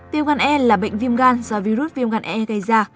viêm gan e là bệnh viêm gan do virus viêm gan e gây ra